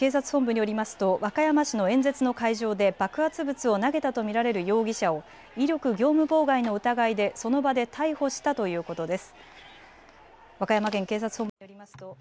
和歌山県警察本部によりますと和歌山市の演説の会場で爆発物を投げたと見られる容疑者、威力業務妨害の疑いでその場で逮捕したということです。